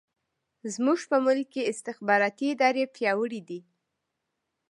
زموږ په ملک کې استخباراتي ادارې پیاوړې دي.